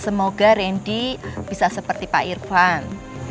semoga rendy bisa seperti pak irvan